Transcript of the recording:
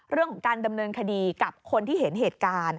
เรื่องของการดำเนินคดีกับคนที่เห็นเหตุการณ์